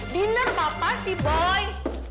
dinner papa sih boy